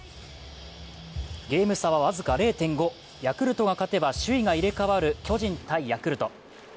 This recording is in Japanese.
ゲーム差は僅か０．５、ヤクルトが勝てば首位が入れ替わる巨人×ヤクルト。